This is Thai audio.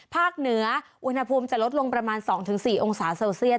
เหนืออุณหภูมิจะลดลงประมาณ๒๔องศาเซลเซียส